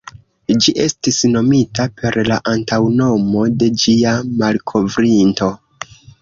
Ĝi estis nomita per la antaŭnomo de ĝia malkovrinto.